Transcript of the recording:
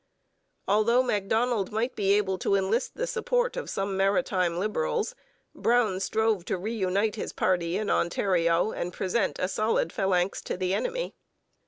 Although Macdonald might be able to enlist the support of some maritime Liberals, Brown strove to reunite his party in Ontario and present a solid phalanx to the enemy.